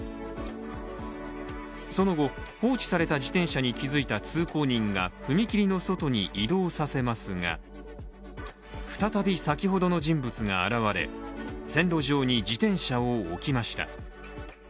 その後、放置された自転車に気づいた通行人が踏切の外に移動させますが、再び先ほどの人物が現れ線路上に自転車を置きました。